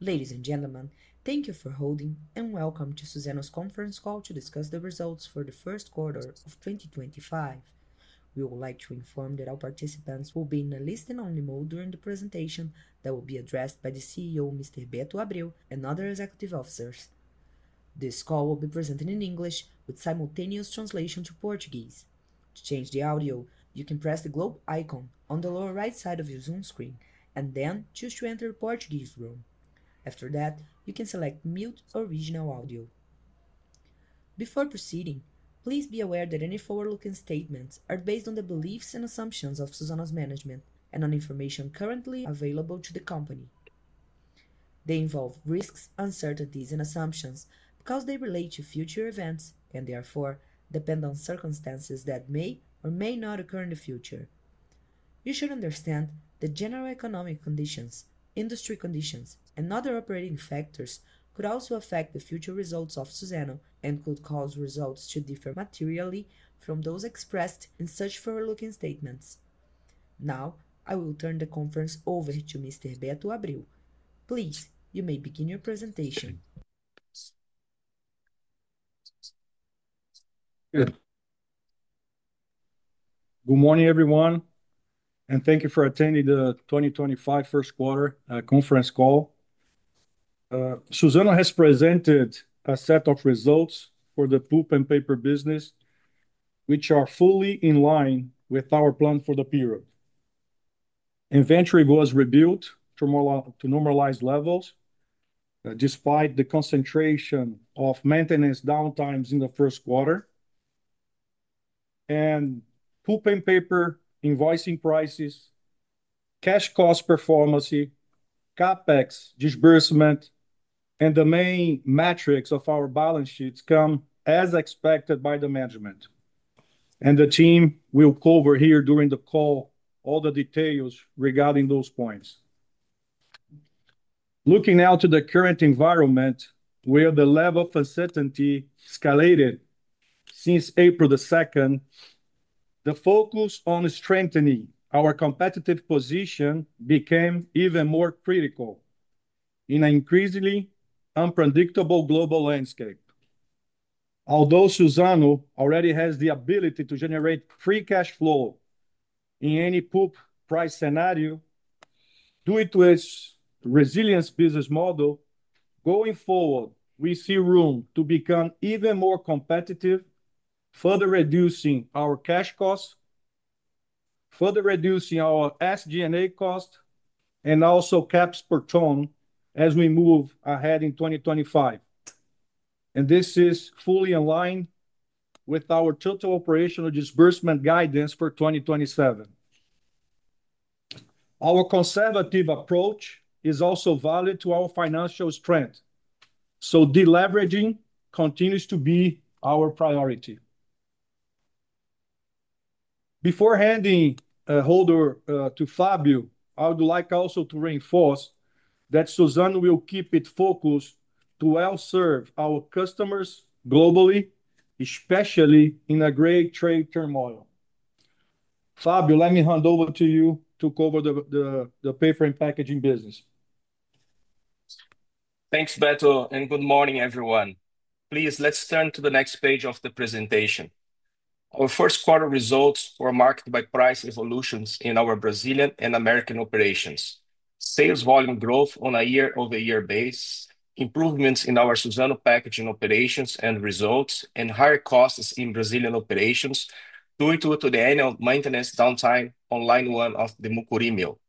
Ladies and gentlemen, thank you for holding, and welcome to Suzano's Conference Call to discuss the results for the first quarter of 2025. We would like to inform that all participants will be in a listen-only mode during the presentation that will be addressed by the CEO, Mr. Beto Abreu, and other executive officers. This call will be presented in English, with simultaneous translation to Portuguese. To change the audio, you can press the globe icon on the lower right side of your Zoom screen, and then choose to enter the Portuguese room. After that, you can select Mute Original Audio. Before proceeding, please be aware that any forward-looking statements are based on the beliefs and assumptions of Suzano's management and on information currently available to the company. They involve risks, uncertainties, and assumptions because they relate to future events and, therefore, depend on circumstances that may or may not occur in the future. You should understand that general economic conditions, industry conditions, and other operating factors could also affect the future results of Suzano and could cause results to differ materially from those expressed in such forward-looking statements. Now, I will turn the conference over to Mr. Beto Abreu. Please, you may begin your presentation. Good morning, everyone, and thank you for attending the 2025 First Quarter Conference Call. Suzano has presented a set of results for the pulp and paper business, which are fully in line with our plan for the period. Inventory was rebuilt to normalize levels, despite the concentration of maintenance downtimes in the first quarter. Pulp and paper invoicing prices, cash cost performance, CapEx disbursement, and the main metrics of our balance sheets come as expected by the management. The team will cover here during the call all the details regarding those points. Looking now to the current environment, where the level of uncertainty escalated since April 2, the focus on strengthening our competitive position became even more critical in an increasingly unpredictable global landscape. Although Suzano already has the ability to generate free cash flow in any pulp price scenario due to its resilience business model, going forward, we see room to become even more competitive, further reducing our cash cost, further reducing our SG&A cost, and also caps per tonne as we move ahead in 2025. This is fully in line with our total operational disbursement guidance for 2027. Our conservative approach is also valid to our financial strength, so deleveraging continues to be our priority. Before handing over to Fabio, I would like also to reinforce that Suzano will keep its focus to well-serve our customers globally, especially in the great trade turmoil. Fabio, let me hand over to you to cover the paper and packaging business. Thanks, Beto, and good morning, everyone. Please, let's turn to the next page of the presentation. Our first quarter results were marked by price evolutions in our Brazilian and American operations, sales volume growth on a year-over-year base, improvements in our Suzano Packaging operations and results, and higher costs in Brazilian operations due to the annual maintenance downtime on line one of the Mucuri mill.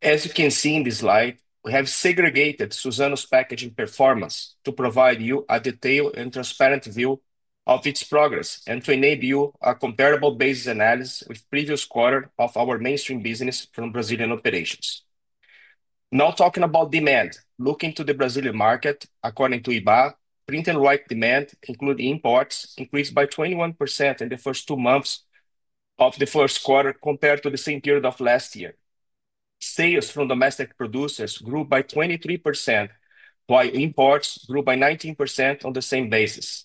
As you can see in this slide, we have segregated Suzano's Packaging performance to provide you a detailed and transparent view of its progress and to enable you a comparable basis analysis with the previous quarter of our mainstream business from Brazilian operations. Now, talking about demand, looking to the Brazilian market, according to IBA, print and write demand, including imports, increased by 21% in the first two months of the first quarter compared to the same period of last year. Sales from domestic producers grew by 23%, while imports grew by 19% on the same basis.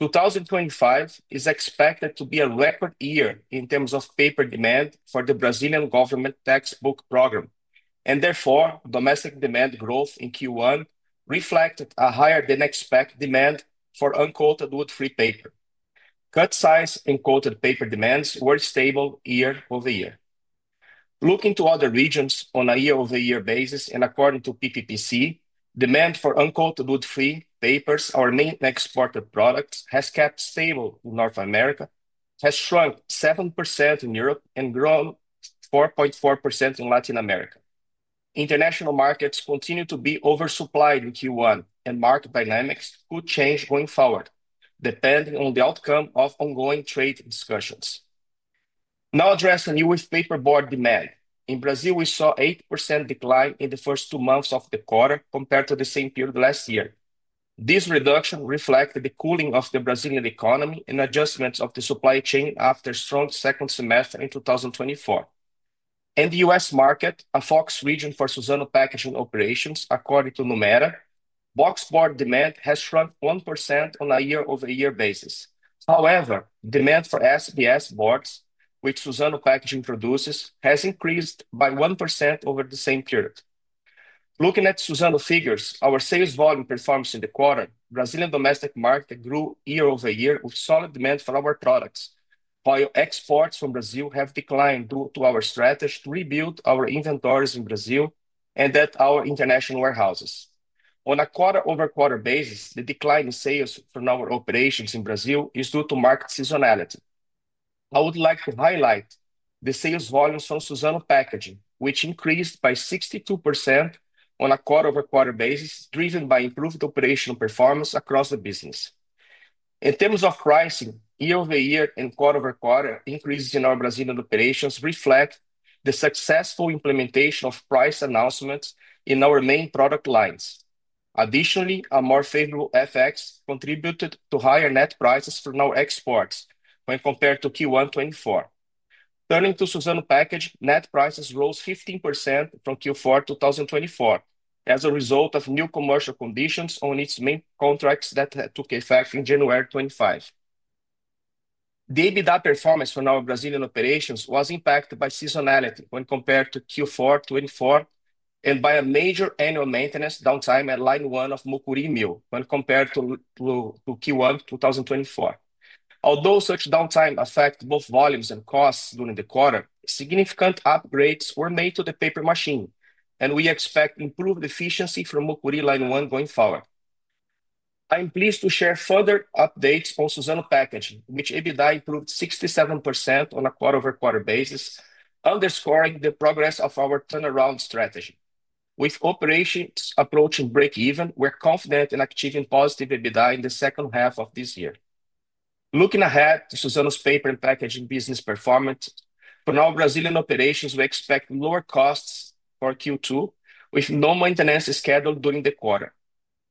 2025 is expected to be a record year in terms of paper demand for the Brazilian government textbook program, and therefore, domestic demand growth in Q1 reflected a higher-than-expected demand for unquoted wood-free paper. Cut-size and quoted paper demands were stable year-over-year. Looking to other regions on a year-over-year basis, and according to PPPC, demand for unquoted wood-free papers, our main exported product, has kept stable in North America, has shrunk 7% in Europe, and grown 4.4% in Latin America. International markets continue to be oversupplied in Q1, and market dynamics could change going forward, depending on the outcome of ongoing trade discussions. Now, addressing U.S. paperboard demand. In Brazil, we saw an 8% decline in the first two months of the quarter compared to the same period last year. This reduction reflects the cooling of the Brazilian economy and adjustments of the supply chain after a strong second semester in 2024. In the U.S. market, a focus region for Suzano Packaging operations, according to Numera, boxboard demand has shrunk 1% on a year-over-year basis. However, demand for SBS boards, which Suzano Packaging produces, has increased by 1% over the same period. Looking at Suzano figures, our sales volume performance in the quarter, Brazilian domestic market grew year-over-year with solid demand for our products, while exports from Brazil have declined due to our strategy to rebuild our inventories in Brazil and at our international warehouses. On a quarter-over-quarter basis, the decline in sales from our operations in Brazil is due to market seasonality. I would like to highlight the sales volumes from Suzano Packaging, which increased by 62% on a quarter-over-quarter basis, driven by improved operational performance across the business. In terms of pricing, year-over-year and quarter-over-quarter increases in our Brazilian operations reflect the successful implementation of price announcements in our main product lines. Additionally, a more favorable FX contributed to higher net prices for our exports when compared to Q1 2024. Turning to Suzano Packaging, net prices rose 15% from Q4 2024 as a result of new commercial conditions on its main contracts that took effect in January 2025. EBITDA performance from our Brazilian operations was impacted by seasonality when compared to Q4 2024 and by a major annual maintenance downtime at line one of Mucuri mill when compared to Q1 2024. Although such downtime affected both volumes and costs during the quarter, significant upgrades were made to the paper machine, and we expect improved efficiency from Mucuri line one going forward. I'm pleased to share further updates on Suzano Packaging, which ABI improved 67% on a quarter-over-quarter basis, underscoring the progress of our turnaround strategy. With operations approaching break-even, we're confident in achieving positive ABI in the second half of this year. Looking ahead to Suzano's paper and packaging business performance, for our Brazilian operations, we expect lower costs for Q2, with no maintenance scheduled during the quarter.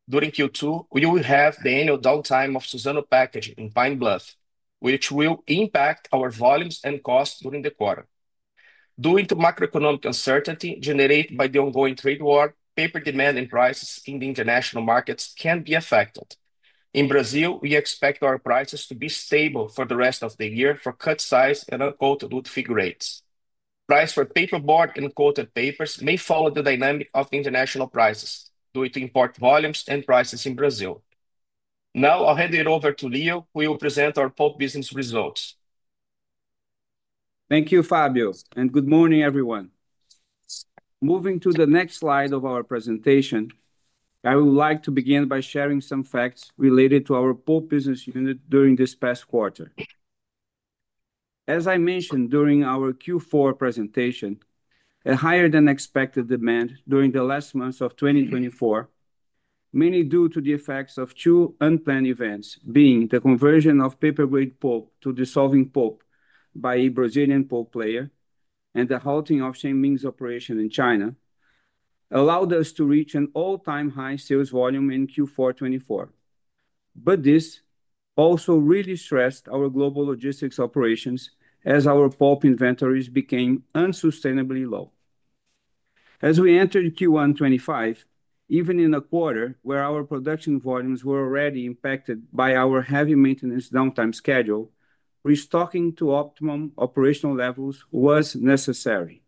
During Q2, we will have the annual downtime of Suzano Packaging in Pine Bluff, which will impact our volumes and costs during the quarter. Due to macroeconomic uncertainty generated by the ongoing trade war, paper demand and prices in the international markets can be affected. In Brazil, we expect our prices to be stable for the rest of the year for cut-size and unquoted wood-free grades. Price for paperboard and quoted papers may follow the dynamic of international prices due to import volumes and prices in Brazil. Now, I'll hand it over to Leo, who will present our pulp business results. Thank you, Fabio, and good morning, everyone. Moving to the next slide of our presentation, I would like to begin by sharing some facts related to our pulp business unit during this past quarter. As I mentioned during our Q4 presentation, a higher-than-expected demand during the last months of 2024, mainly due to the effects of two unplanned events, being the conversion of paper-grade pulp to dissolving pulp by a Brazilian pulp player and the halting of Shengming's operation in China, allowed us to reach an all-time high sales volume in Q4 2024. This also really stressed our global logistics operations as our pulp inventories became unsustainably low. As we entered Q1 2025, even in a quarter where our production volumes were already impacted by our heavy maintenance downtime schedule, restocking to optimum operational levels was necessary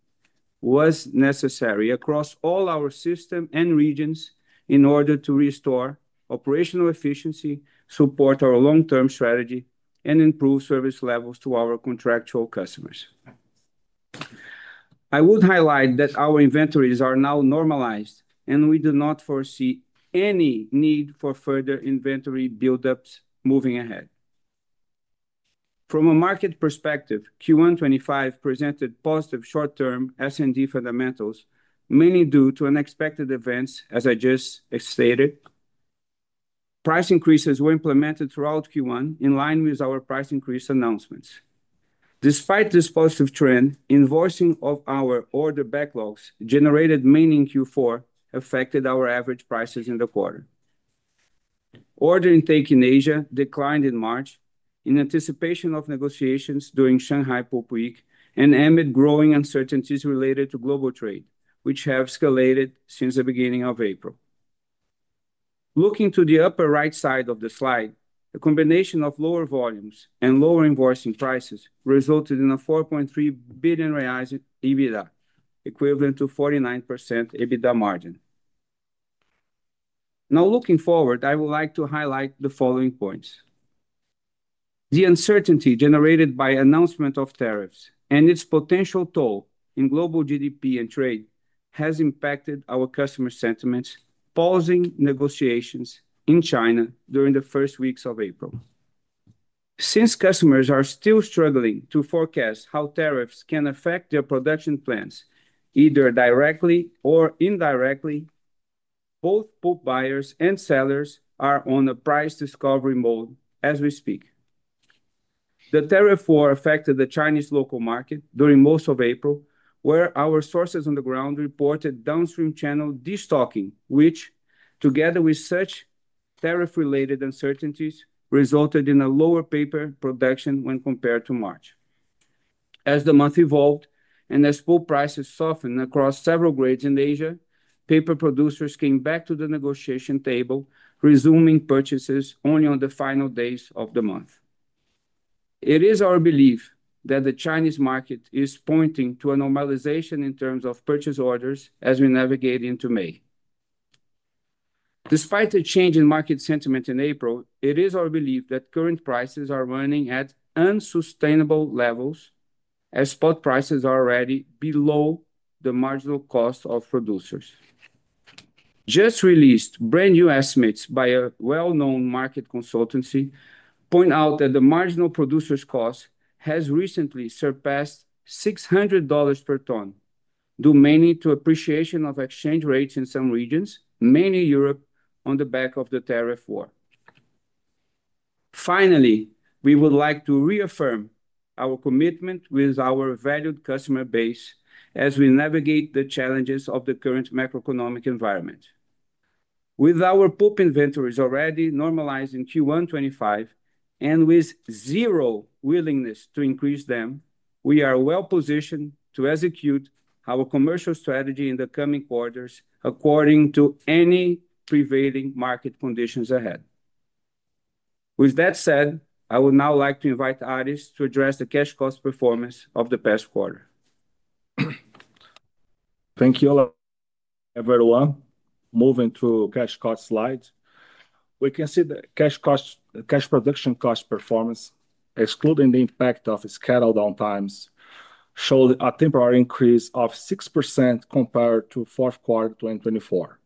across all our systems and regions in order to restore operational efficiency, support our long-term strategy, and improve service levels to our contractual customers. I would highlight that our inventories are now normalized, and we do not foresee any need for further inventory build-ups moving ahead. From a market perspective, Q1 2025 presented positive short-term S&D fundamentals, mainly due to unexpected events, as I just stated. Price increases were implemented throughout Q1 in line with our price increase announcements. Despite this positive trend, invoicing of our order backlogs generated mainly in Q4 affected our average prices in the quarter. Order intake in Asia declined in March in anticipation of negotiations during Shanghai Pulp Week and amid growing uncertainties related to global trade, which have escalated since the beginning of April. Looking to the upper right side of the slide, a combination of lower volumes and lower invoicing prices resulted in a 4.3 billion reais EBITDA, equivalent to 49% EBITDA margin. Now, looking forward, I would like to highlight the following points. The uncertainty generated by the announcement of tariffs and its potential toll in global GDP and trade has impacted our customer sentiments, pausing negotiations in China during the first weeks of April. Since customers are still struggling to forecast how tariffs can affect their production plans, either directly or indirectly, both pulp buyers and sellers are on a price discovery mode as we speak. The tariff war affected the Chinese local market during most of April, where our sources on the ground reported downstream channel destocking, which, together with such tariff-related uncertainties, resulted in a lower paper production when compared to March. As the month evolved and as pulp prices softened across several grades in Asia, paper producers came back to the negotiation table, resuming purchases only on the final days of the month. It is our belief that the Chinese market is pointing to a normalization in terms of purchase orders as we navigate into May. Despite the change in market sentiment in April, it is our belief that current prices are running at unsustainable levels as spot prices are already below the marginal cost of producers. Just released, brand-new estimates by a well-known market consultancy point out that the marginal producer's cost has recently surpassed $600 per tonne, due mainly to appreciation of exchange rates in some regions, mainly Europe, on the back of the tariff war. Finally, we would like to reaffirm our commitment with our valued customer base as we navigate the challenges of the current macroeconomic environment. With our pulp inventories already normalized in Q1 2025 and with zero willingness to increase them, we are well-positioned to execute our commercial strategy in the coming quarters according to any prevailing market conditions ahead. With that said, I would now like to invite Aires to address the cash cost performance of the past quarter. Thank you all, everyone. Moving to the cash cost slide, we can see the cash production cost performance, excluding the impact of scheduled downtimes, showed a temporary increase of 6% compared to the fourth quarter of 2024.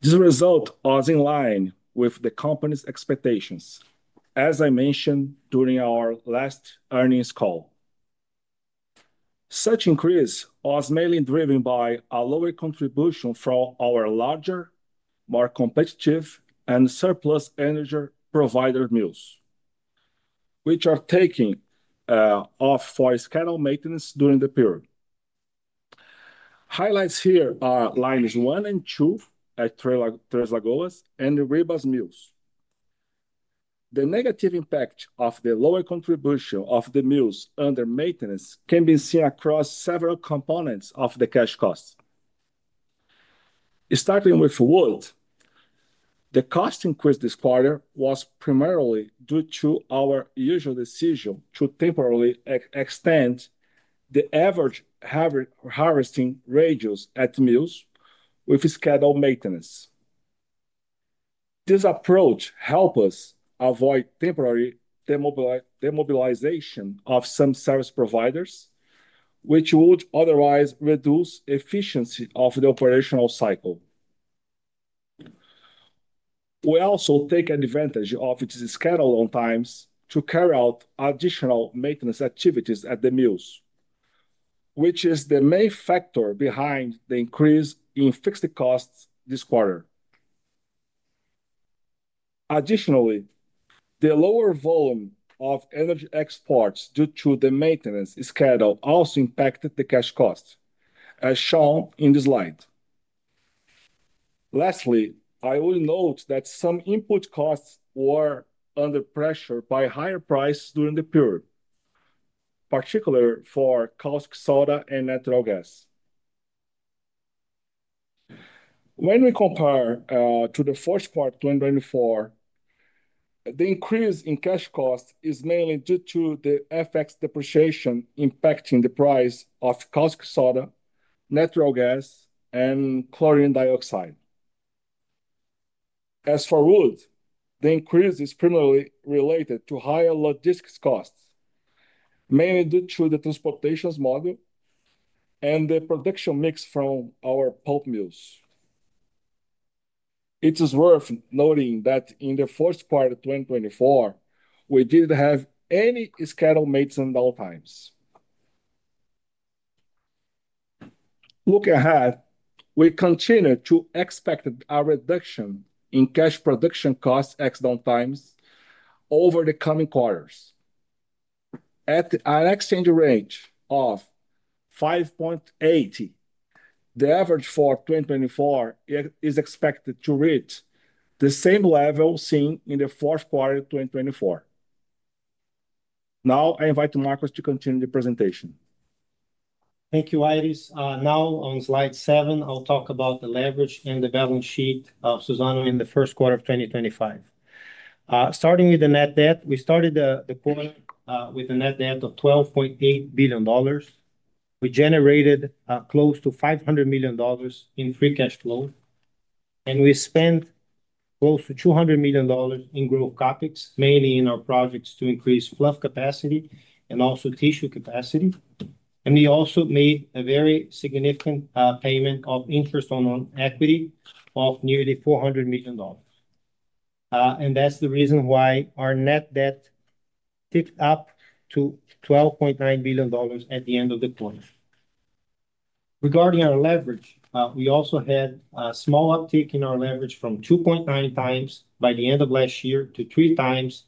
This result was in line with the company's expectations, as I mentioned during our last earnings call. Such increase was mainly driven by a lower contribution from our larger, more competitive and surplus energy provider mills, which are taking off for scheduled maintenance during the period. Highlights here are lines one and two at Tres Lagoas and Ribas mills. The negative impact of the lower contribution of the mills under maintenance can be seen across several components of the cash cost. Starting with wood, the cost increase this quarter was primarily due to our usual decision to temporarily extend the average harvesting radius at mills with scheduled maintenance. This approach helped us avoid temporary demobilization of some service providers, which would otherwise reduce the efficiency of the operational cycle. We also took advantage of these schedule downtimes to carry out additional maintenance activities at the mills, which is the main factor behind the increase in fixed costs this quarter. Additionally, the lower volume of energy exports due to the maintenance schedule also impacted the cash cost, as shown in this slide. Lastly, I would note that some input costs were under pressure by higher prices during the period, particularly for calcium soda and natural gas. When we compare to the fourth quarter of 2024, the increase in cash cost is mainly due to the FX depreciation impacting the price of calcium soda, natural gas, and chlorine dioxide. As for wood, the increase is primarily related to higher logistics costs, mainly due to the transportation model and the production mix from our pulp mills. It is worth noting that in the fourth quarter of 2024, we did not have any scheduled maintenance downtimes. Looking ahead, we continue to expect a reduction in cash production cost x downtimes over the coming quarters. At an exchange rate of 5.80, the average for 2024 is expected to reach the same level seen in the fourth quarter of 2024. Now, I invite Marcos to continue the presentation. Thank you, Aris. Now, on slide seven, I'll talk about the leverage and the balance sheet of Suzano in the first quarter of 2025. Starting with the net debt, we started the quarter with a net debt of $12.8 billion. We generated close to $500 million in free cash flow, and we spent close to $200 million in growth CapEx, mainly in our projects to increase fluff capacity and also tissue capacity. We also made a very significant payment of interest on equity of nearly $400 million. That is the reason why our net debt ticked up to $12.9 billion at the end of the quarter. Regarding our leverage, we also had a small uptick in our leverage from 2.9 times by the end of last year to 3 times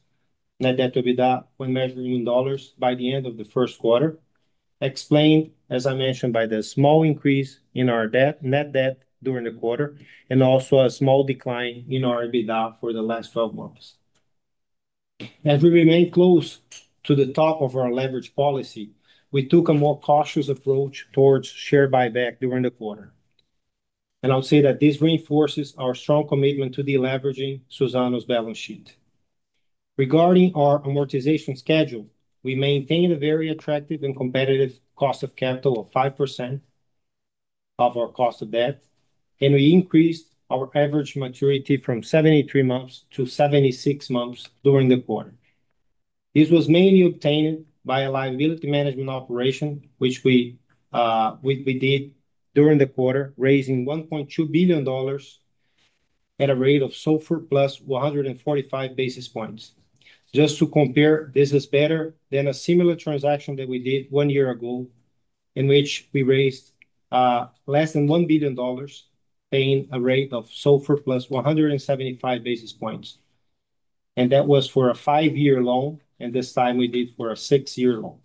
net debt EBITDA when measured in dollars by the end of the first quarter, explained, as I mentioned, by the small increase in our net debt during the quarter and also a small decline in our EBITDA for the last 12 months. As we remain close to the top of our leverage policy, we took a more cautious approach towards share buyback during the quarter. I will say that this reinforces our strong commitment to deleveraging Suzano's balance sheet. Regarding our amortization schedule, we maintained a very attractive and competitive cost of capital of 5% of our cost of debt, and we increased our average maturity from 73 months to 76 months during the quarter. This was mainly obtained by a liability management operation, which we did during the quarter, raising $1.2 billion at a rate of SOFR plus 145 basis points. Just to compare, this is better than a similar transaction that we did one year ago, in which we raised less than $1 billion, paying a rate of SOFR plus 175 basis points. That was for a five-year loan, and this time we did for a six-year loan.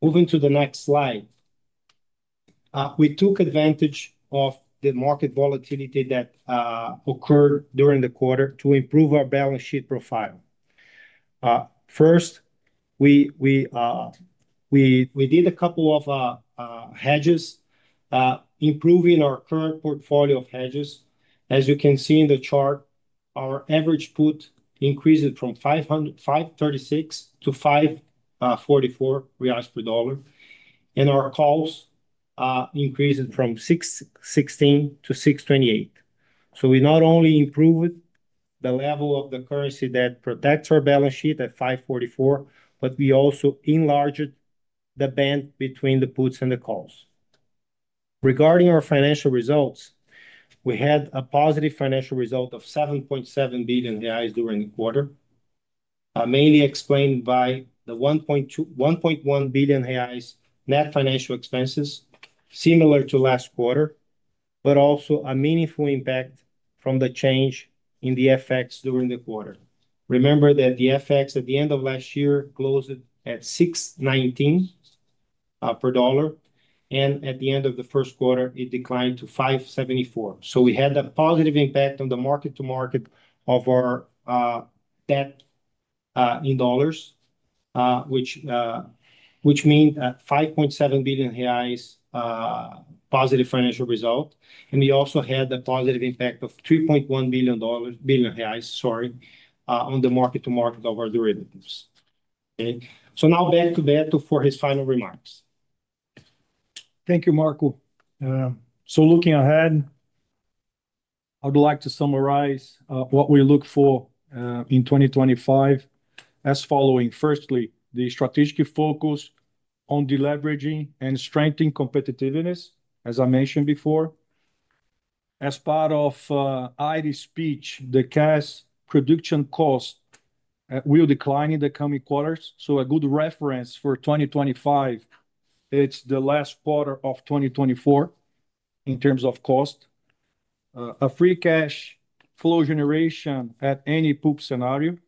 Moving to the next slide, we took advantage of the market volatility that occurred during the quarter to improve our balance sheet profile. First, we did a couple of hedges, improving our current portfolio of hedges. As you can see in the chart, our average put increased from 536 to 544 reais per dollar, and our calls increased from 616 to 628. We not only improved the level of the currency that protects our balance sheet at 5.44, but we also enlarged the band between the puts and the calls. Regarding our financial results, we had a positive financial result of 7.7 billion reais during the quarter, mainly explained by the 1.1 billion reais net financial expenses, similar to last quarter, but also a meaningful impact from the change in the FX during the quarter. Remember that the FX at the end of last year closed at 6.19 per dollar, and at the end of the first quarter, it declined to 5.74. We had a positive impact on the mark-to-market of our debt in dollars, which means a 5.7 billion reais positive financial result. We also had a positive impact of BRL 3.1 billion, sorry, on the mark-to-market of our derivatives. Okay. Now back to Beto for his final remarks. Thank you, Marcos. Looking ahead, I would like to summarize what we look for in 2025 as follows. Firstly, the strategic focus on deleveraging and strengthening competitiveness, as I mentioned before. As part of Aris' speech, the cash production cost will decline in the coming quarters. A good reference for 2025 is the last quarter of 2024 in terms of cost. Free cash flow generation at any pulp scenario.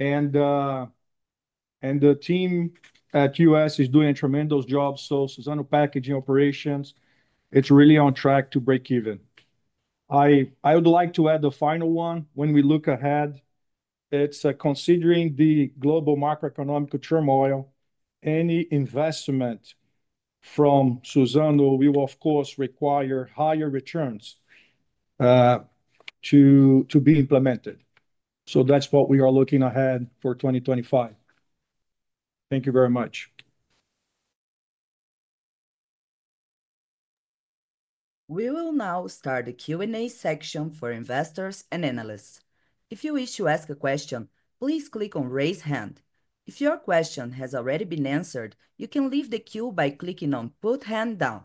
The team at US is doing a tremendous job. Suzano Packaging operations are really on track to break even. I would like to add the final one. When we look ahead, considering the global macroeconomic turmoil, any investment from Suzano will, of course, require higher returns to be implemented. That is what we are looking ahead for 2025. Thank you very much. We will now start the Q&A section for investors and analysts. If you wish to ask a question, please click on "Raise Hand." If your question has already been answered, you can leave the queue by clicking on "Put Hand Down."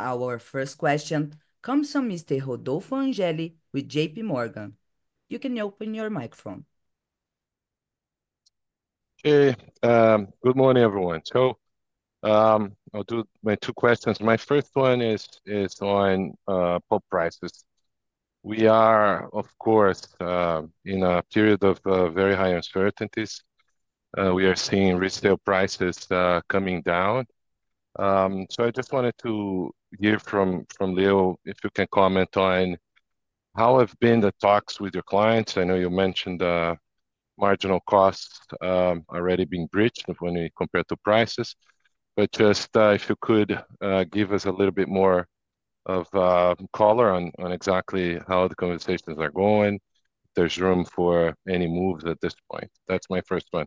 Our first question comes from Mr. Rodolfo Angele with JP Morgan. You can open your microphone. Okay. Good morning, everyone. I'll do my two questions. My first one is on pulp prices. We are, of course, in a period of very high uncertainties. We are seeing resale prices coming down. I just wanted to hear from Leo if you can comment on how have been the talks with your clients. I know you mentioned marginal costs already being breached when we compare to prices. Just if you could give us a little bit more of color on exactly how the conversations are going, if there's room for any moves at this point. That's my first one.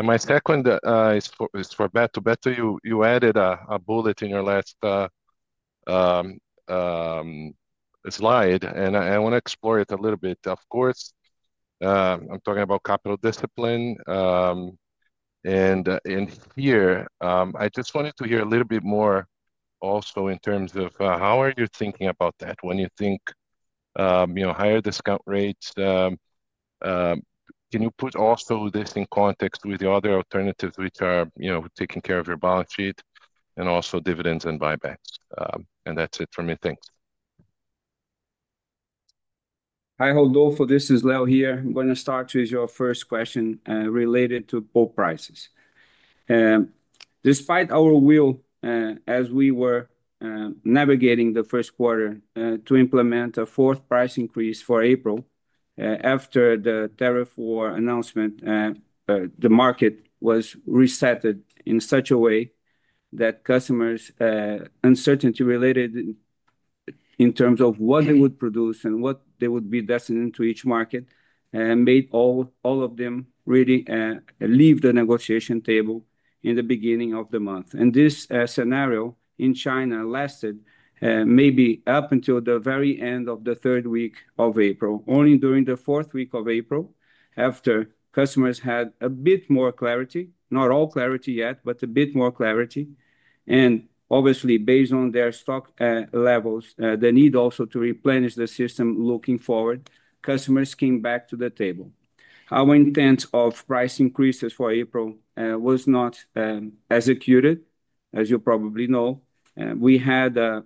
My second is for Beto. Beto, you added a bullet in your last slide, and I want to explore it a little bit. Of course, I'm talking about capital discipline. I just wanted to hear a little bit more also in terms of how are you thinking about that when you think higher discount rates. Can you put also this in context with the other alternatives which are taking care of your balance sheet and also dividends and buybacks? That is it for me. Thanks. Hi, Rodolfo. This is Leo here. I'm going to start with your first question related to pulp prices. Despite our will, as we were navigating the first quarter to implement a fourth price increase for April after the tariff war announcement, the market was resetted in such a way that customers' uncertainty related in terms of what they would produce and what they would be destined to each market made all of them really leave the negotiation table in the beginning of the month. This scenario in China lasted maybe up until the very end of the third week of April, only during the fourth week of April, after customers had a bit more clarity, not all clarity yet, but a bit more clarity. Obviously, based on their stock levels, the need also to replenish the system looking forward, customers came back to the table. Our intent of price increases for April was not executed, as you probably know. We had a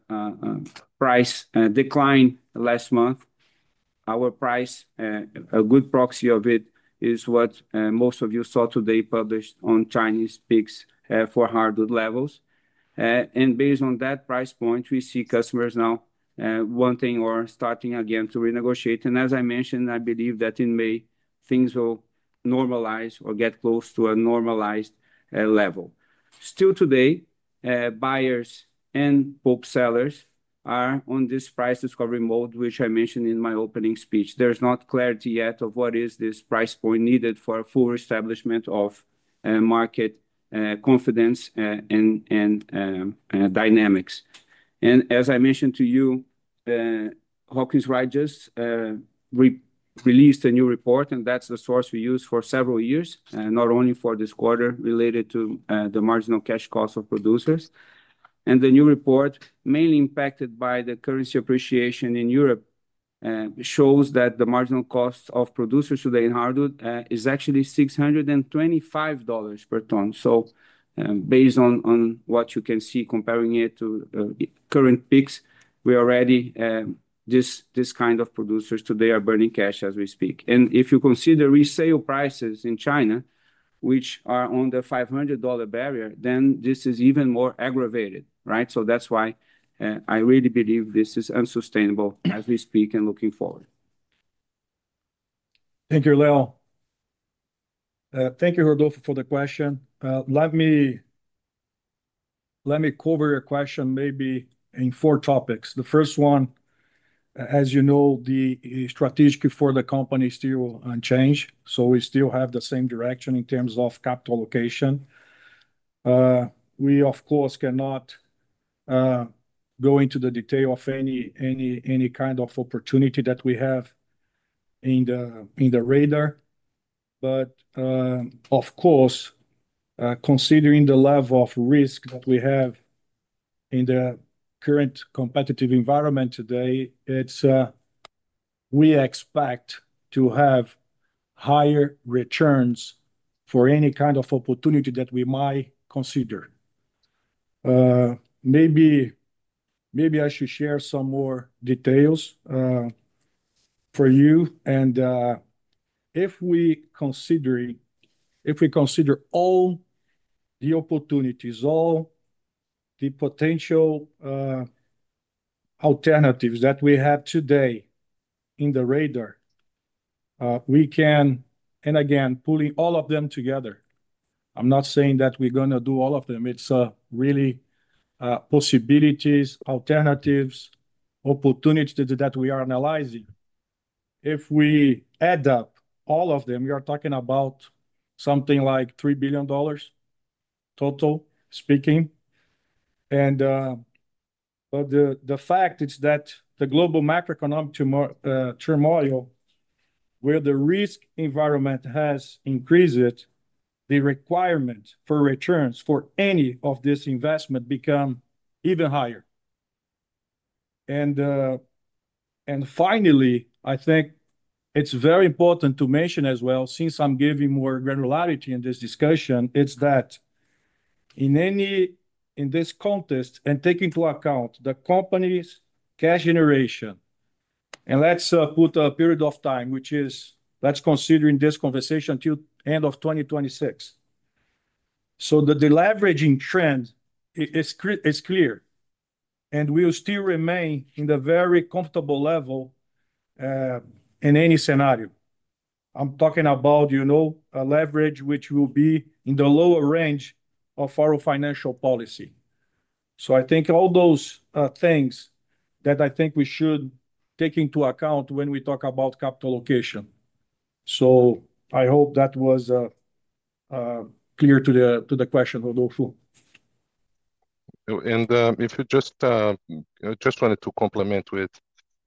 price decline last month. Our price, a good proxy of it, is what most of you saw today published on Chinese PIX for hardwood levels. Based on that price point, we see customers now wanting or starting again to renegotiate. As I mentioned, I believe that in May, things will normalize or get close to a normalized level. Still today, buyers and pulp sellers are on this price discovery mode, which I mentioned in my opening speech. There is not clarity yet of what is this price point needed for a full establishment of market confidence and dynamics. As I mentioned to you, Hawkins Wright released a new report, and that is the source we used for several years, not only for this quarter related to the marginal cash cost of producers. The new report, mainly impacted by the currency appreciation in Europe, shows that the marginal cost of producers today in hardwood is actually $625 per ton. Based on what you can see, comparing it to current picks, we already see this kind of producers today are burning cash as we speak. If you consider resale prices in China, which are on the $500 barrier, then this is even more aggravated, right? That is why I really believe this is unsustainable as we speak and looking forward. Thank you, Leo. Thank you, Rodolfo, for the question. Let me cover your question maybe in four topics. The first one, as you know, the strategic for the company is still unchanged. We still have the same direction in terms of capital allocation. We, of course, cannot go into the detail of any kind of opportunity that we have in the radar. Of course, considering the level of risk that we have in the current competitive environment today, we expect to have higher returns for any kind of opportunity that we might consider. Maybe I should share some more details for you. If we consider all the opportunities, all the potential alternatives that we have today in the radar, we can, and again, pulling all of them together, I'm not saying that we're going to do all of them. It's really possibilities, alternatives, opportunities that we are analyzing. If we add up all of them, you're talking about something like $3 billion total speaking. The fact is that the global macroeconomic turmoil, where the risk environment has increased, the requirement for returns for any of this investment becomes even higher. Finally, I think it's very important to mention as well, since I'm giving more granularity in this discussion, it's that in this context and taking into account the company's cash generation, and let's put a period of time, which is let's consider in this conversation until the end of 2026. The leveraging trend is clear, and we will still remain in the very comfortable level in any scenario. I'm talking about a leverage which will be in the lower range of our financial policy. I think all those things that I think we should take into account when we talk about capital allocation. I hope that was clear to the question, Rodolfo. If you just wanted to complement with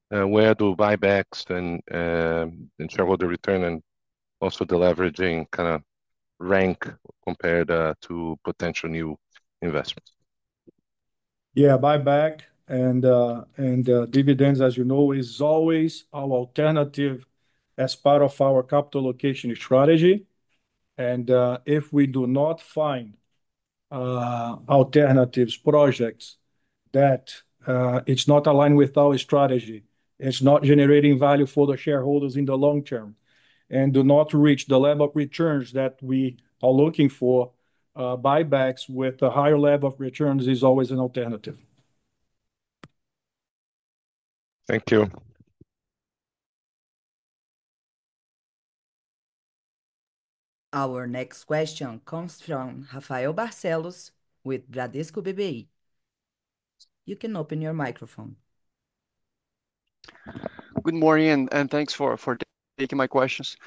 where do buybacks and shareholder return and also the leveraging kind of rank compared to potential new investments. Yeah, buyback and dividends, as you know, is always our alternative as part of our capital allocation strategy. If we do not find alternatives, projects that are not aligned with our strategy, are not generating value for the shareholders in the long term, and do not reach the level of returns that we are looking for, buybacks with a higher level of returns is always an alternative. Thank you. Our next question comes from Rafael Barcellos with Bradesco BBI. You can open your microphone. Good morning and thanks for taking my questions.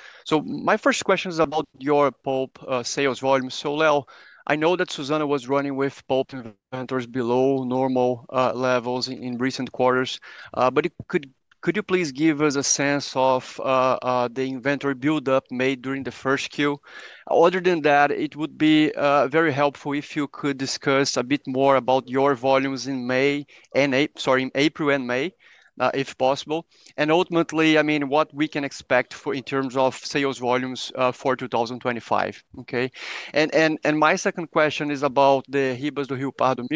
My first question is about your pulp sales volume. Leo, I know that Suzano was running with pulp inventories below normal levels in recent quarters. Could you please give us a sense of the inventory buildup made during the first quarter? Other than that, it would be very helpful if you could discuss a bit more about your volumes in April and May, if possible. Ultimately, I mean, what we can expect in terms of sales volumes for 2025, okay? My second question is about the Ribas do Rio Pardo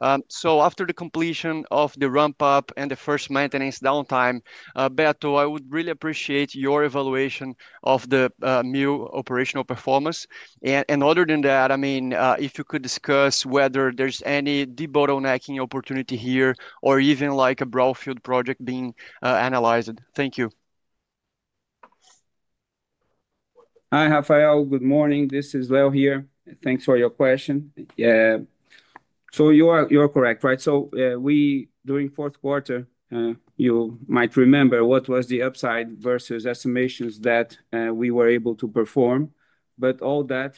mill. After the completion of the ramp-up and the first maintenance downtime, Beto, I would really appreciate your evaluation of the mill operational performance. Other than that, I mean, if you could discuss whether there's any de-bottlenecking opportunity here or even like a brownfield project being analyzed. Thank you. Hi, Rafael. Good morning. This is Leo here. Thanks for your question. You're correct, right? During the fourth quarter, you might remember what was the upside versus estimations that we were able to perform. All that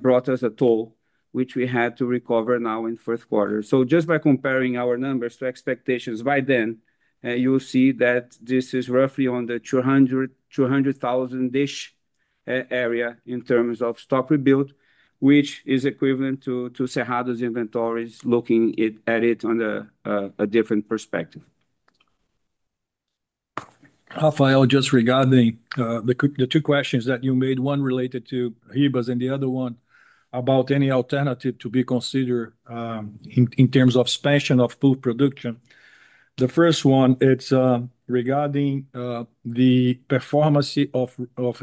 brought us a toll, which we had to recover now in the fourth quarter. Just by comparing our numbers to expectations by then, you'll see that this is roughly in the 200,000-ish area in terms of stock rebuild, which is equivalent to Cerrado's inventories looking at it from a different perspective. Rafael, just regarding the two questions that you made, one related to Ribas and the other one about any alternative to be considered in terms of expansion of pulp production. The first one, it is regarding the performance of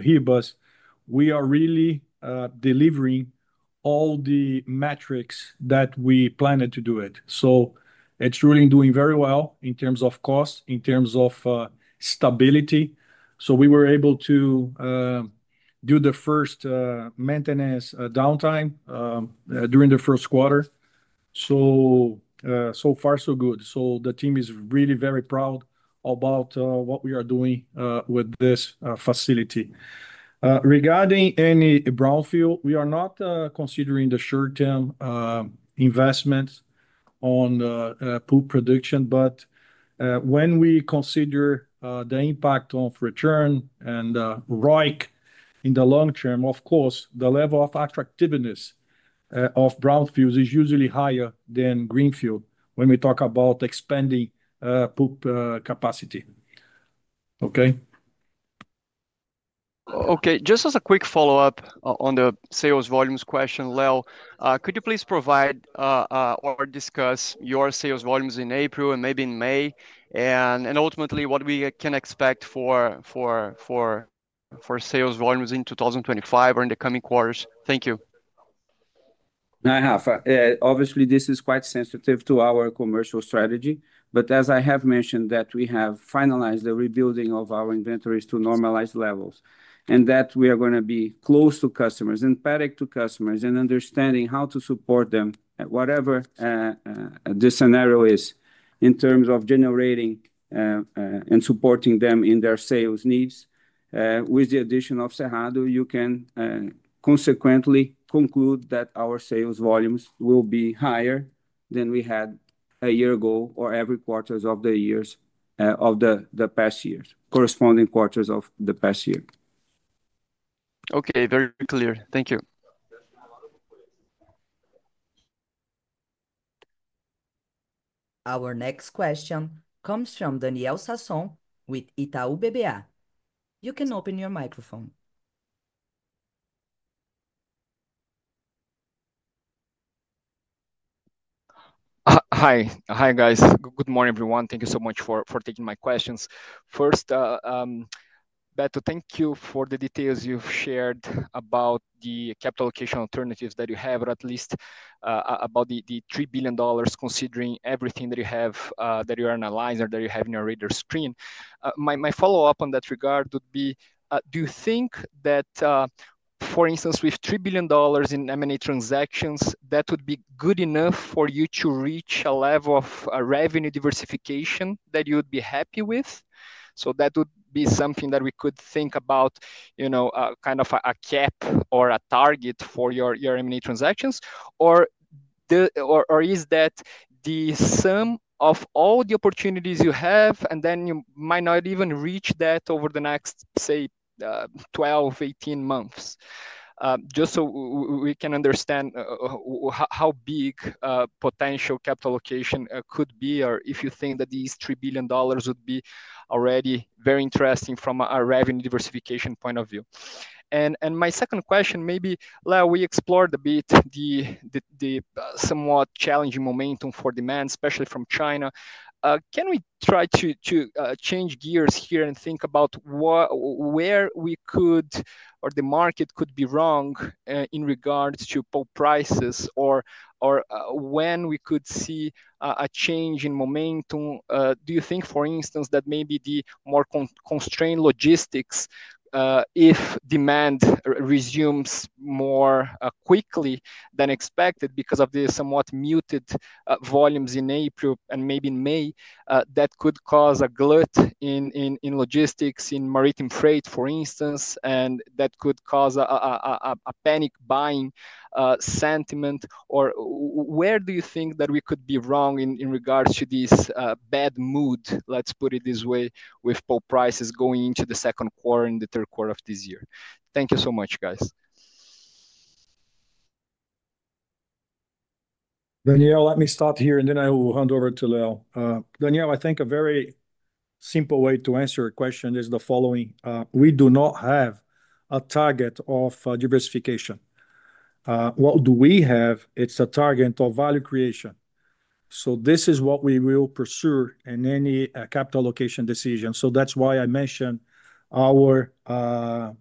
Ribas. We are really delivering all the metrics that we planned to do it. It is really doing very well in terms of cost, in terms of stability. We were able to do the first maintenance downtime during the first quarter. So far, so good. The team is really very proud about what we are doing with this facility. Regarding any brownfield, we are not considering the short-term investments on pulp production. When we consider the impact on return and ROIC in the long term, of course, the level of attractiveness of brownfields is usually higher than greenfield when we talk about expanding pulp capacity. Okay? Okay. Just as a quick follow-up on the sales volumes question, Leo, could you please provide or discuss your sales volumes in April and maybe in May? And ultimately, what we can expect for sales volumes in 2025 or in the coming quarters? Thank you. Hi, Rafa. Obviously, this is quite sensitive to our commercial strategy. As I have mentioned, we have finalized the rebuilding of our inventories to normalize levels and that we are going to be close to customers and pending to customers and understanding how to support them, whatever the scenario is, in terms of generating and supporting them in their sales needs. With the addition of Cerrado, you can consequently conclude that our sales volumes will be higher than we had a year ago or every quarter of the years of the past year, corresponding quarters of the past year. Okay, very clear. Thank you. Our next question comes from Danielle Sasson with Itaú BBA. You can open your microphone. Hi, guys. Good morning, everyone. Thank you so much for taking my questions. First, Beto, thank you for the details you've shared about the capital allocation alternatives that you have, or at least about the $3 billion considering everything that you have, that you analyze, or that you have in your radar screen. My follow-up on that regard would be, do you think that, for instance, with $3 billion in M&A transactions, that would be good enough for you to reach a level of revenue diversification that you would be happy with? That would be something that we could think about, kind of a cap or a target for your M&A transactions. Or is that the sum of all the opportunities you have, and then you might not even reach that over the next, say, 12, 18 months? Just so we can understand how big potential capital allocation could be, or if you think that these $3 billion would be already very interesting from a revenue diversification point of view. My second question, maybe, Leo, we explored a bit the somewhat challenging momentum for demand, especially from China. Can we try to change gears here and think about where we could, or the market could be wrong in regards to pulp prices, or when we could see a change in momentum? Do you think, for instance, that maybe the more constrained logistics, if demand resumes more quickly than expected because of the somewhat muted volumes in April and maybe in May, that could cause a glut in logistics, in maritime freight, for instance, and that could cause a panic buying sentiment? Or where do you think that we could be wrong in regards to this bad mood, let's put it this way, with pulp prices going into the second quarter and the third quarter of this year? Thank you so much, guys. Daniel, let me start here, and then I will hand over to Leo. Daniel, I think a very simple way to answer your question is the following. We do not have a target of diversification. What do we have? It is a target of value creation. This is what we will pursue in any capital allocation decision. That is why I mentioned that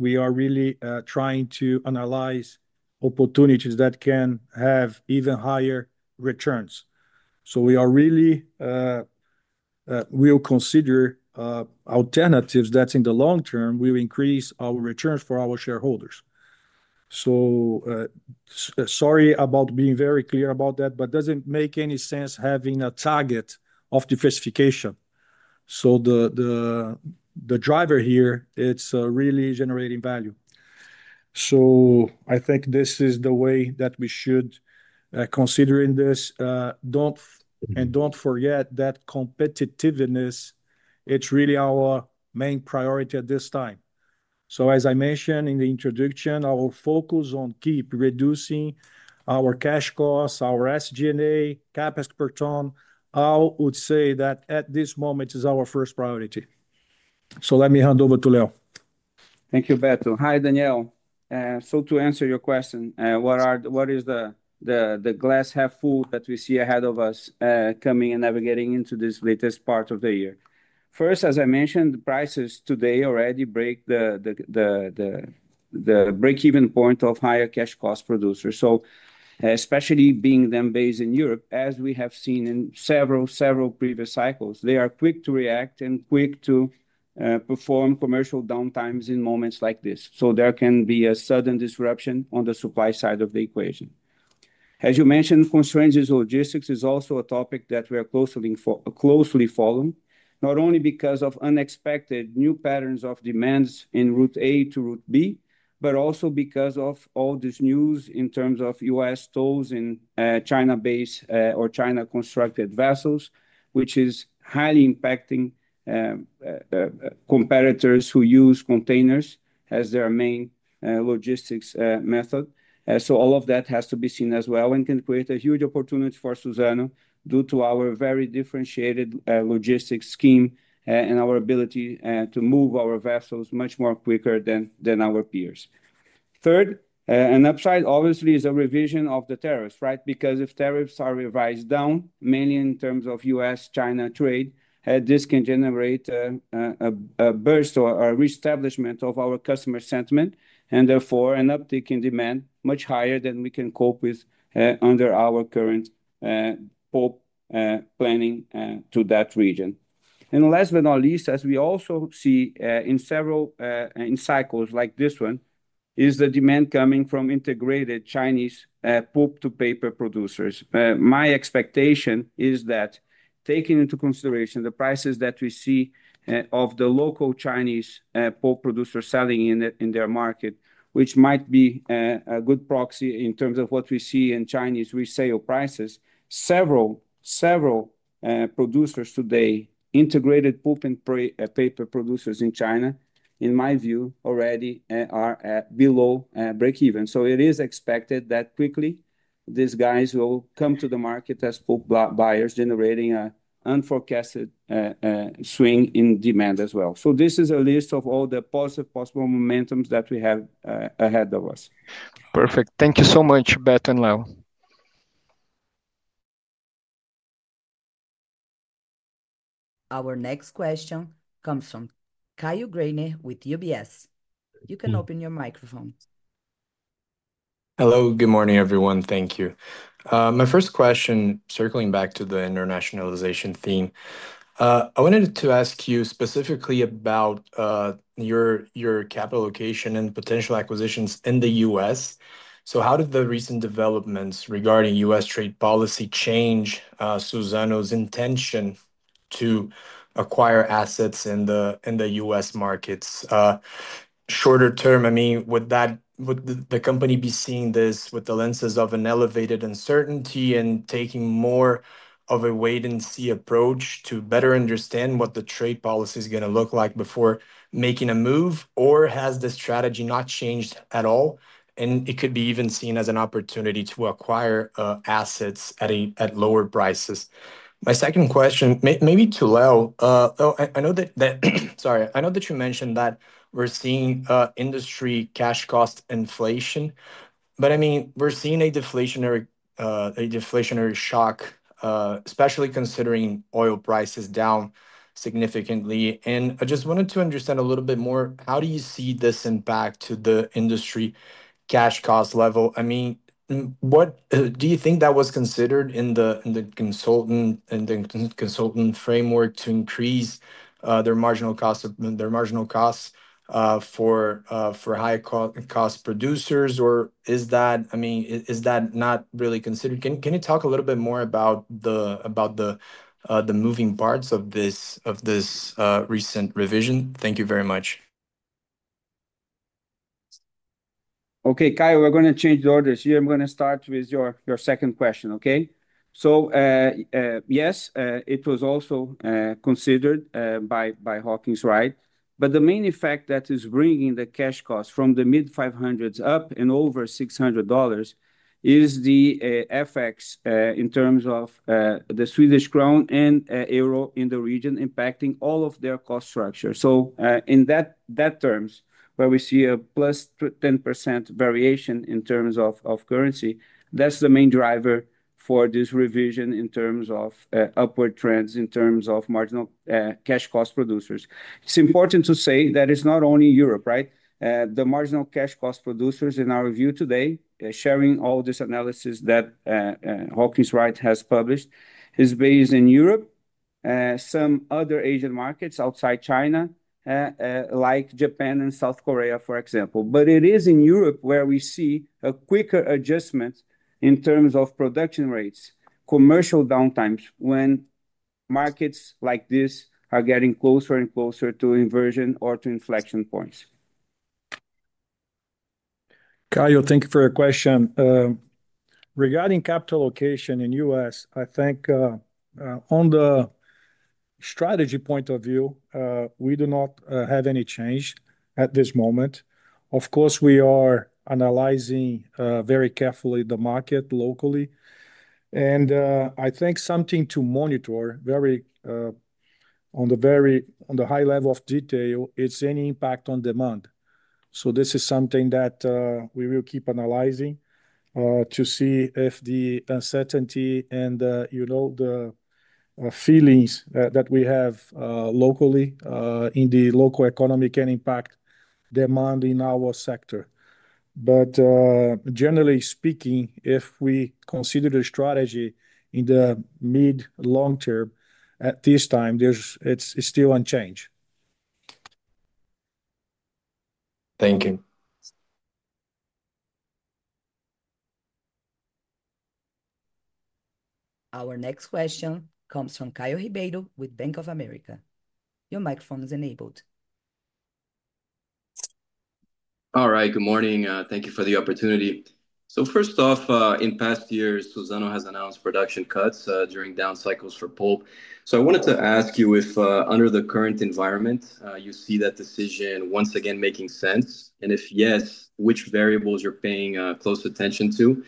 we are really trying to analyze opportunities that can have even higher returns. We will consider alternatives that in the long term will increase our returns for our shareholders. Sorry about being very clear about that, but it does not make any sense having a target of diversification. The driver here is really generating value. I think this is the way that we should consider this. Do not forget that competitiveness, it's really our main priority at this time. As I mentioned in the introduction, our focus on keep reducing our cash costs, our SG&A, CapEx per ton, I would say that at this moment is our first priority. Let me hand over to Leo. Thank you, Beto. Hi, Daniel. To answer your question, what is the glass half full that we see ahead of us coming and navigating into this latest part of the year? First, as I mentioned, prices today already break the break-even point of higher cash cost producers. Especially being them based in Europe, as we have seen in several previous cycles, they are quick to react and quick to perform commercial downtimes in moments like this. There can be a sudden disruption on the supply side of the equation. As you mentioned, constraints in logistics is also a topic that we are closely following, not only because of unexpected new patterns of demands in route A to route B, but also because of all this news in terms of U.S. tolls in China-based or China-constructed vessels, which is highly impacting competitors who use containers as their main logistics method. All of that has to be seen as well and can create a huge opportunity for Suzano due to our very differentiated logistics scheme and our ability to move our vessels much more quickly than our peers. Third, an upside, obviously, is a revision of the tariffs, right? Because if tariffs are revised down, mainly in terms of U.S.-China trade, this can generate a burst or a reestablishment of our customer sentiment, and therefore an uptick in demand much higher than we can cope with under our current pulp planning to that region. Last but not least, as we also see in several cycles like this one, is the demand coming from integrated Chinese pulp-to-paper producers. My expectation is that taking into consideration the prices that we see of the local Chinese pulp producers selling in their market, which might be a good proxy in terms of what we see in Chinese resale prices, several producers today, integrated pulp-and-paper producers in China, in my view, already are below break-even. It is expected that quickly these guys will come to the market as pulp buyers, generating an unforecasted swing in demand as well. This is a list of all the positive possible momentums that we have ahead of us. Perfect. Thank you so much, Beto and Leo. Our next question comes from Caio Greine with UBS. You can open your microphone. Hello, good morning, everyone. Thank you. My first question, circling back to the internationalization theme, I wanted to ask you specifically about your capital allocation and potential acquisitions in the U.S. How did the recent developments regarding U.S trade policy change Suzano's intention to acquire assets in the US markets? Shorter term, I mean, would the company be seeing this with the lenses of an elevated uncertainty and taking more of a wait-and-see approach to better understand what the trade policy is going to look like before making a move? Or has the strategy not changed at all? It could be even seen as an opportunity to acquire assets at lower prices. My second question, maybe to Leo. Sorry, I know that you mentioned that we're seeing industry cash cost inflation, but I mean, we're seeing a deflationary shock, especially considering oil prices down significantly. I just wanted to understand a little bit more, how do you see this impact to the industry cash cost level? I mean, what do you think that was considered in the consultant framework to increase their marginal costs for high-cost producers? Or is that, I mean, is that not really considered? Can you talk a little bit more about the moving parts of this recent revision? Thank you very much. Okay, Caio, we're going to change the orders. You're going to start with your second question, okay? Yes, it was also considered by Hawkins Wright. The main effect that is bringing the cash costs from the mid-$500s up and over $600 is the effects in terms of the Swedish krona and euro in the region impacting all of their cost structure. In that sense, where we see a plus 10% variation in terms of currency, that's the main driver for this revision in terms of upward trends in terms of marginal cash cost producers. It's important to say that it's not only Europe, right? The marginal cash cost producers in our view today, sharing all this analysis that Hawkins Wright has published, is based in Europe, some other Asian markets outside China, like Japan and South Korea, for example. It is in Europe where we see a quicker adjustment in terms of production rates, commercial downtimes, when markets like this are getting closer and closer to inversion or to inflection points. Caio, thank you for your question. Regarding capital allocation in the U.S, I think on the strategy point of view, we do not have any change at this moment. Of course, we are analyzing very carefully the market locally. I think something to monitor at a very high level of detail is any impact on demand. This is something that we will keep analyzing to see if the uncertainty and the feelings that we have locally in the local economy can impact demand in our sector. Generally speaking, if we consider the strategy in the mid-long term, at this time, it is still unchanged. Thank you. Our next question comes from Caio Ribeiro with Bank of America. Your microphone is enabled. All right, good morning. Thank you for the opportunity. First off, in past years, Suzano has announced production cuts during down cycles for pulp. I wanted to ask you if under the current environment, you see that decision once again making sense? If yes, which variables are you paying close attention to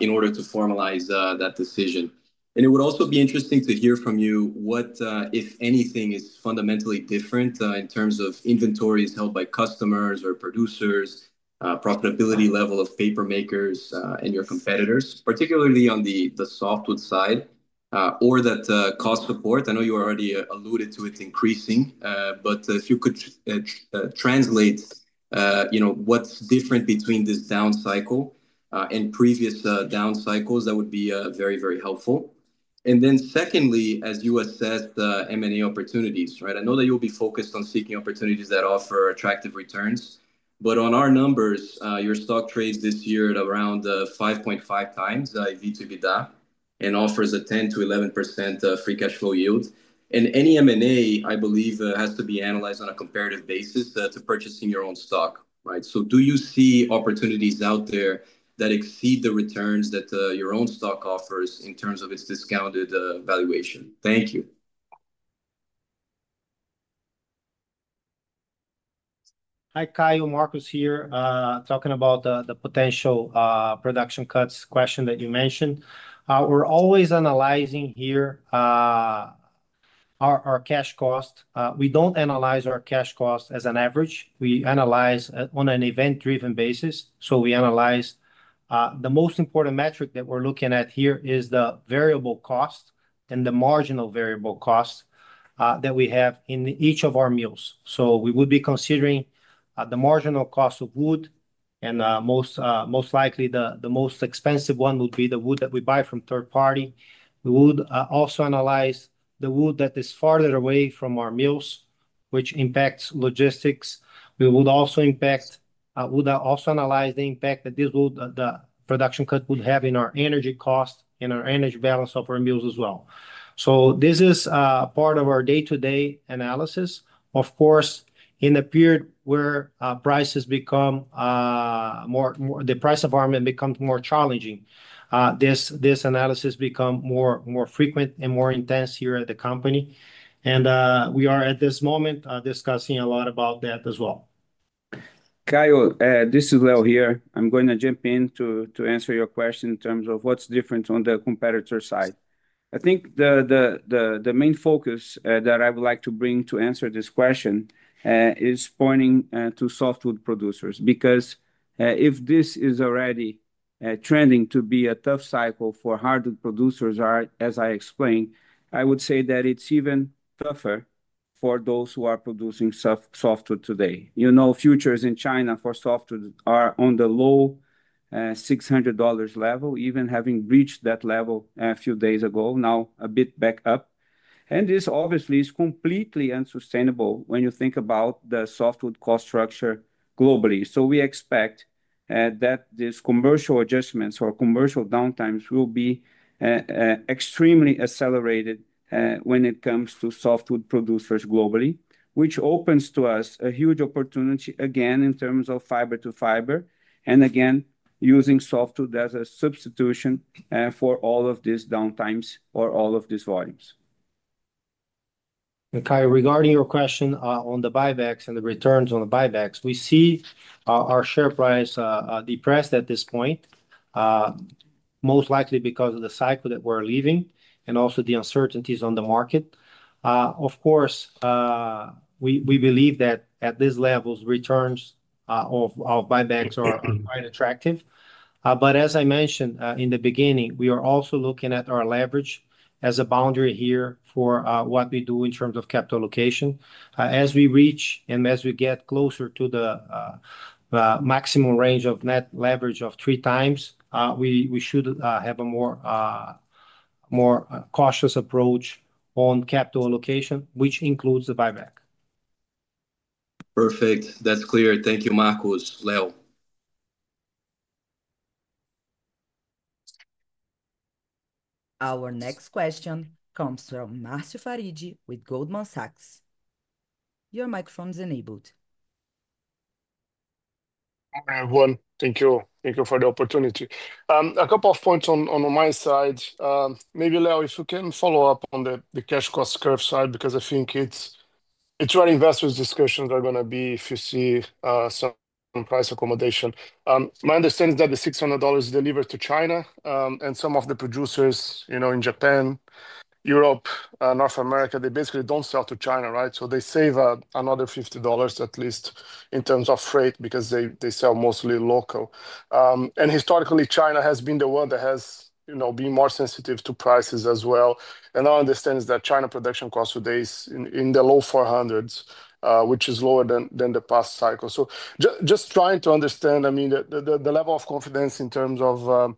in order to formalize that decision? It would also be interesting to hear from you what, if anything, is fundamentally different in terms of inventories held by customers or producers, profitability level of paper makers and your competitors, particularly on the softwood side, or that cost support. I know you already alluded to it increasing, but if you could translate what's different between this down cycle and previous down cycles, that would be very, very helpful. Secondly, as you assess M&A opportunities, right? I know that you'll be focused on seeking opportunities that offer attractive returns, but on our numbers, your stock trades this year at around 5.5 times EBITDA and offers a 10-11% free cash flow yield. Any M&A, I believe, has to be analyzed on a comparative basis to purchasing your own stock, right? Do you see opportunities out there that exceed the returns that your own stock offers in terms of its discounted valuation? Thank you. Hi, Caio, Marcos here, talking about the potential production cuts question that you mentioned. We're always analyzing here our cash cost. We don't analyze our cash cost as an average. We analyze on an event-driven basis. The most important metric that we're looking at here is the variable cost and the marginal variable cost that we have in each of our mills. We would be considering the marginal cost of wood, and most likely the most expensive one would be the wood that we buy from third party. We would also analyze the wood that is farther away from our mills, which impacts logistics. We would also analyze the impact that this production cut would have in our energy cost and our energy balance of our mills as well. This is part of our day-to-day analysis. Of course, in the period where prices become more—the price of armament becomes more challenging, this analysis becomes more frequent and more intense here at the company. We are at this moment discussing a lot about that as well. Caio, this is Leo here. I'm going to jump in to answer your question in terms of what's different on the competitor side. I think the main focus that I would like to bring to answer this question is pointing to softwood producers because if this is already trending to be a tough cycle for hardwood producers, as I explained, I would say that it's even tougher for those who are producing softwood today. Futures in China for softwood are on the low $600 level, even having reached that level a few days ago, now a bit back up. This obviously is completely unsustainable when you think about the softwood cost structure globally. We expect that these commercial adjustments or commercial downtimes will be extremely accelerated when it comes to softwood producers globally, which opens to us a huge opportunity again in terms of fiber to fiber, and again, using softwood as a substitution for all of these downtimes or all of these volumes. Caio, regarding your question on the buybacks and the returns on the buybacks, we see our share price depressed at this point, most likely because of the cycle that we're leaving and also the uncertainties on the market. Of course, we believe that at these levels, returns of buybacks are quite attractive. As I mentioned in the beginning, we are also looking at our leverage as a boundary here for what we do in terms of capital allocation. As we reach and as we get closer to the maximum range of net leverage of three times, we should have a more cautious approach on capital allocation, which includes the buyback. Perfect. That's clear. Thank you, Marcos. Leo. Our next question comes from Marcio Farid with Goldman Sachs. Your microphone is enabled. Hi, everyone. Thank you. Thank you for the opportunity. A couple of points on my side. Maybe Leo, if you can follow up on the cash cost curve side because I think it's where investors' discussions are going to be if you see some price accommodation. My understanding is that the $600 is delivered to China, and some of the producers in Japan, Europe, North America, they basically don't sell to China, right? They save another $50 at least in terms of freight because they sell mostly local. Historically, China has been the one that has been more sensitive to prices as well. Our understanding is that China production costs today is in the low 400s, which is lower than the past cycle. Just trying to understand, I mean, the level of confidence in terms of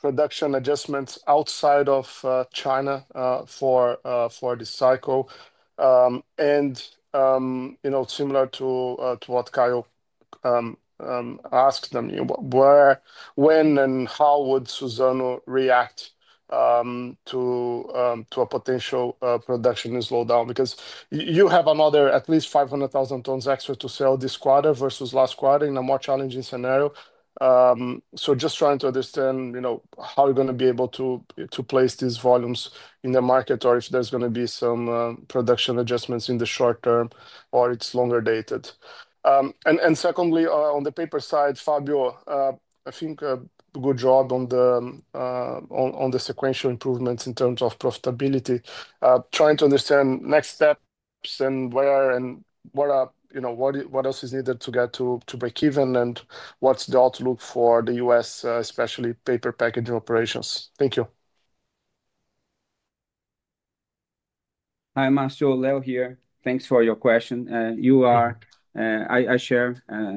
production adjustments outside of China for this cycle. Similar to what Caio asked them, when and how would Suzano react to a potential production slowdown? Because you have another at least 500,000 tons extra to sell this quarter versus last quarter in a more challenging scenario. Just trying to understand how you're going to be able to place these volumes in the market or if there's going to be some production adjustments in the short term or it's longer dated. Secondly, on the paper side, Fabio, I think a good job on the sequential improvements in terms of profitability, trying to understand next steps and where and what else is needed to get to break even and what's the outlook for the U.S., especially paper packaging operations. Thank you. Hi, Marcio, Leo here. Thanks for your question. You are—I share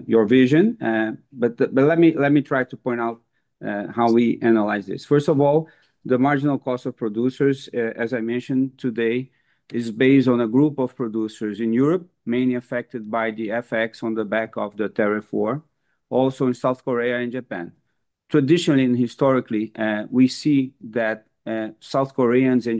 your vision, but let me try to point out how we analyze this. First of all, the marginal cost of producers, as I mentioned today, is based on a group of producers in Europe, mainly affected by the effects on the back of the tariff war, also in South Korea and Japan. Traditionally and historically, we see that South Koreans and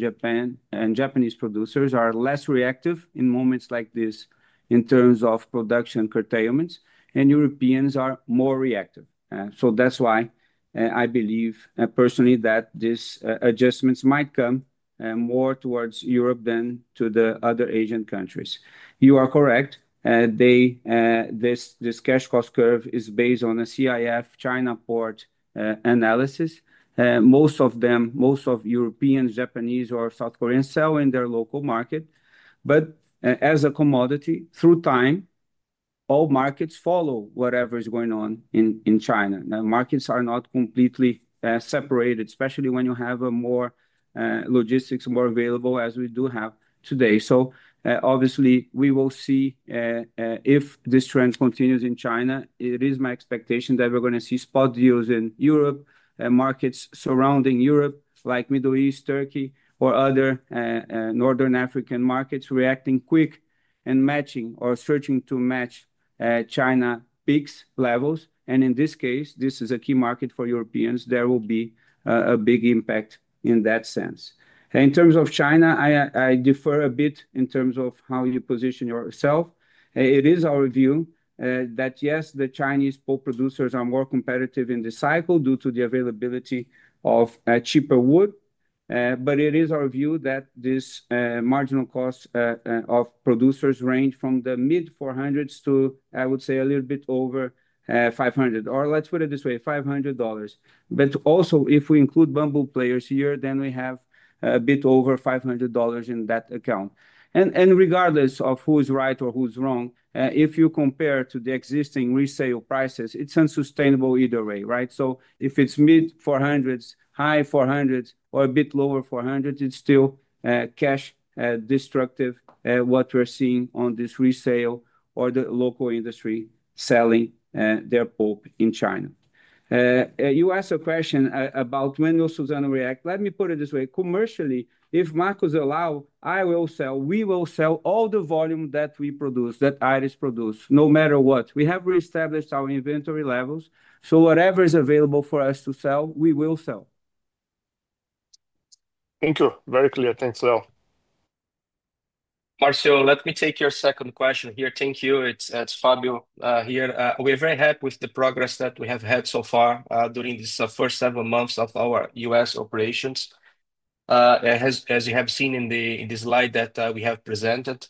Japanese producers are less reactive in moments like this in terms of production curtailments, and Europeans are more reactive. That is why I believe personally that these adjustments might come more towards Europe than to the other Asian countries. You are correct. This cash cost curve is based on a CIF China port analysis. Most of them, most of Europeans, Japanese, or South Koreans sell in their local market. As a commodity, through time, all markets follow whatever is going on in China. Markets are not completely separated, especially when you have more logistics available as we do have today. Obviously, we will see if this trend continues in China. It is my expectation that we're going to see spot deals in Europe and markets surrounding Europe like Middle East, Turkey, or other Northern African markets reacting quick and matching or searching to match China peaks levels. In this case, this is a key market for Europeans. There will be a big impact in that sense. In terms of China, I differ a bit in terms of how you position yourself. It is our view that, yes, the Chinese pulp producers are more competitive in this cycle due to the availability of cheaper wood. It is our view that this marginal cost of producers ranges from the mid $400s to, I would say, a little bit over $500, or let's put it this way, $500. If we include bamboo players here, then we have a bit over $500 in that account. Regardless of who is right or who's wrong, if you compare to the existing resale prices, it is unsustainable either way, right? If it is mid $400s, high $400s, or a bit lower $400s, it is still cash destructive what we are seeing on this resale or the local industry selling their pulp in China. You asked a question about when Suzano will react. Let me put it this way. Commercially, if Marcos allows, I will sell. We will sell all the volume that we produce, that Aris produces, no matter what. We have reestablished our inventory levels. Whatever is available for us to sell, we will sell. Thank you. Very clear. Thanks, Leo. Marcio, let me take your second question here. Thank you. It's Fabio here. We are very happy with the progress that we have had so far during these first seven months of our US operations, as you have seen in the slide that we have presented.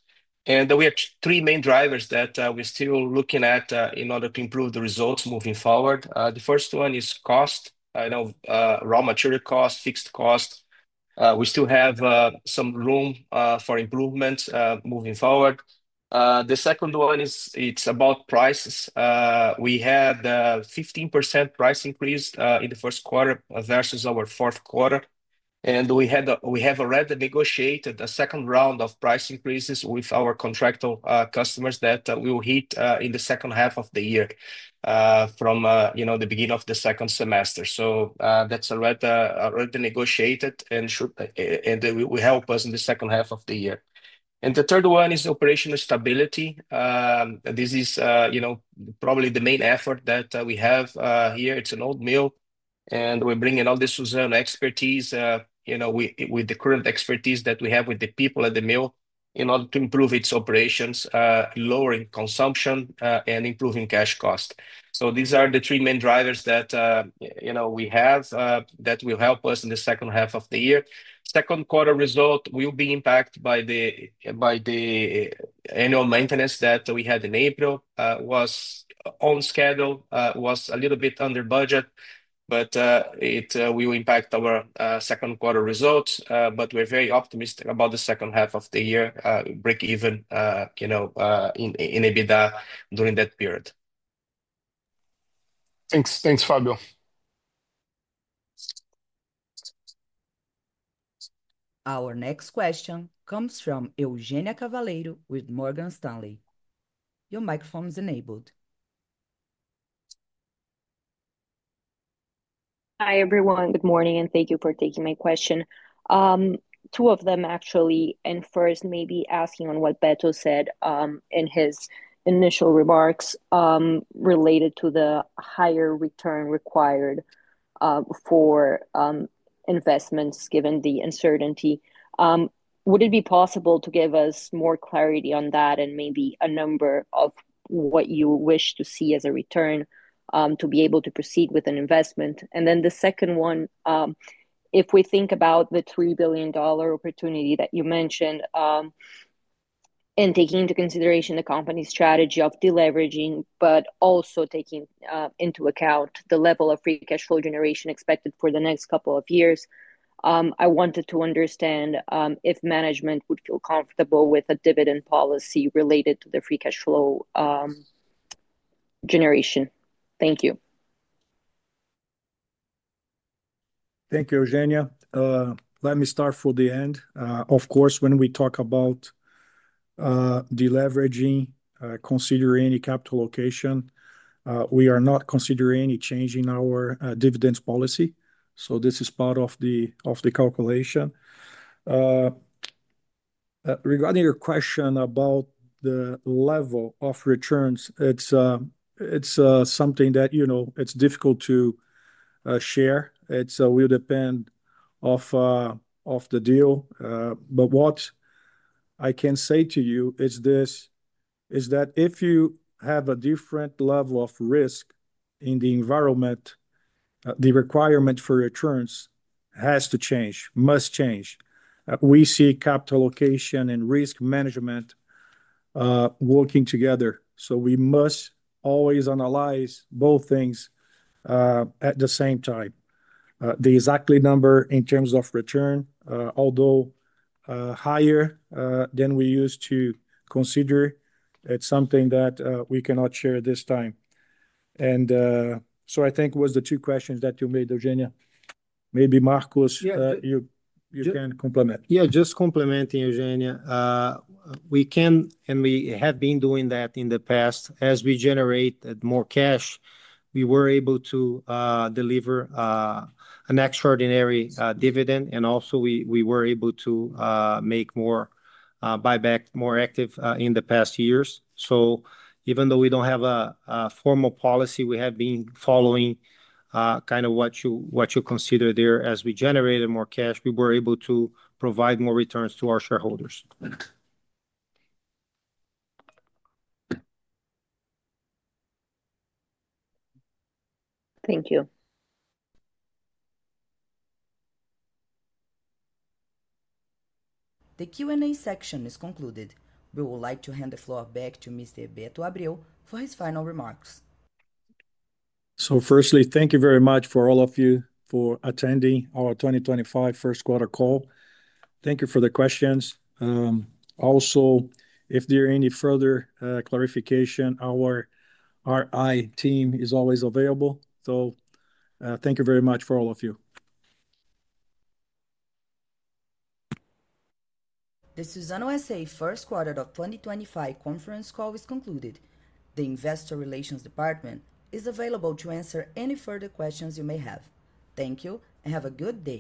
We have three main drivers that we're still looking at in order to improve the results moving forward. The first one is cost, raw material cost, fixed cost. We still have some room for improvements moving forward. The second one is it's about prices. We had a 15% price increase in the first quarter versus our fourth quarter. We have already negotiated a second round of price increases with our contractual customers that we will hit in the second half of the year from the beginning of the second semester. That is already negotiated, and it will help us in the second half of the year. The third one is operational stability. This is probably the main effort that we have here. It is an old mill, and we are bringing all this Suzano expertise with the current expertise that we have with the people at the mill in order to improve its operations, lowering consumption, and improving cash cost. These are the three main drivers that we have that will help us in the second half of the year. Second quarter result will be impacted by the annual maintenance that we had in April. It was on schedule, was a little bit under budget, but it will impact our second quarter results. We are very optimistic about the second half of the year, break even in EBITDA during that period. Thanks. Thanks, Fabio. Our next question comes from Eugenia Cavalheiro with Morgan Stanley. Your microphone is enabled. Hi, everyone. Good morning, and thank you for taking my question. Two of them, actually. First, maybe asking on what Beto said in his initial remarks related to the higher return required for investments given the uncertainty. Would it be possible to give us more clarity on that and maybe a number of what you wish to see as a return to be able to proceed with an investment? The second one, if we think about the $3 billion opportunity that you mentioned and taking into consideration the company's strategy of deleveraging, but also taking into account the level of free cash flow generation expected for the next couple of years, I wanted to understand if management would feel comfortable with a dividend policy related to the free cash flow generation. Thank you. Thank you, Eugenia. Let me start from the end. Of course, when we talk about deleveraging, considering any capital allocation, we are not considering any change in our dividends policy. This is part of the calculation. Regarding your question about the level of returns, it's something that it's difficult to share. It will depend on the deal. What I can say to you is that if you have a different level of risk in the environment, the requirement for returns has to change, must change. We see capital allocation and risk management working together. We must always analyze both things at the same time. The exact number in terms of return, although higher than we used to consider, is something that we cannot share this time. I think it was the two questions that you made, Eugenia. Maybe Marcos, you can complement. Yeah, just complementing, Eugenia. We can, and we have been doing that in the past. As we generate more cash, we were able to deliver an extraordinary dividend. Also, we were able to make more buyback, more active in the past years. Even though we do not have a formal policy, we have been following kind of what you consider there as we generated more cash, we were able to provide more returns to our shareholders. Thank you. The Q&A section is concluded. We would like to hand the floor back to Mr. Beto Abreu for his final remarks. Firstly, thank you very much for all of you for attending our 2025 First Quarter Call. Thank you for the questions. Also, if there are any further clarifications, our RI team is always available. Thank you very much for all of you. The Suzano S.A. first quarter of 2025 conference call is concluded. The investor relations department is available to answer any further questions you may have. Thank you and have a good day.